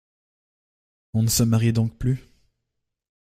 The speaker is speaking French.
On ne se marie donc plus ?